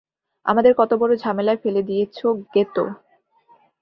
আমাদের কত বড় ঝামেলায় ফেলে দিয়েছো, গেতো।